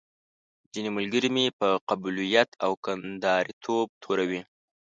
ځينې ملګري مې په قبيلويت او کنداريتوب توروي.